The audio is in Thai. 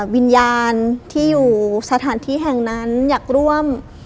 วิญญาณที่อยู่สถานที่แห่งนั้นอยากร่วม